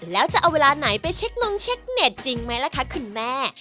แล้วจะเอาเวลาไหนไปเช็คนงเช็คเน็ตจริงไหมล่ะคะคุณแม่